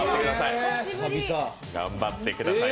頑張ってください。